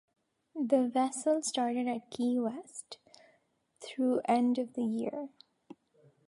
The vessel served at Key West through end of the year.